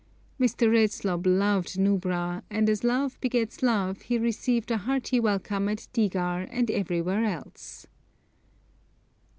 Mr. Redslob loved Nubra, and as love begets love he received a hearty welcome at Digar and everywhere else.